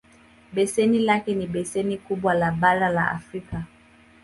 Beseni lake ni beseni kubwa le bara la Afrika.